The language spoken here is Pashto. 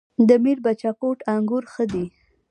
د میربچه کوټ انګور ښه دي